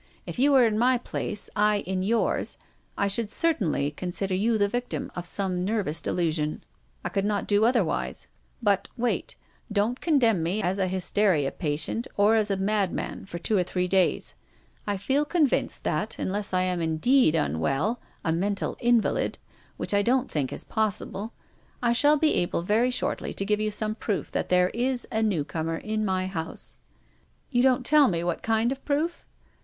If you were in my place, I in yours, I should certainly consider you the victim of some nervous delusion. I could not do other wise. But — wait. Don't condemn me as a hys teria patient, or as a madman, for two or three days. I feel convinced that — unless I am indeed unwell, a mental invalid, which I don't think is possible — I shall be able very shortly to give you some proof that there is a newcomer in my house." PROFESSOR GUILDEA. 303 " You don't tell me what kind of proof